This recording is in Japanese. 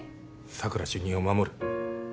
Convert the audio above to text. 佐久良主任を守る